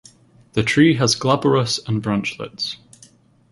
The tree has glabrous and branchlets.